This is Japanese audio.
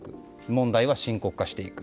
問題は深刻化していく。